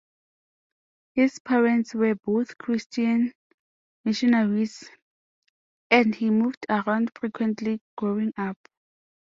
His parents were both Christian missionaries, and he moved around frequently growing up.